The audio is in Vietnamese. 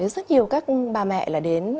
rất nhiều các bà mẹ là đến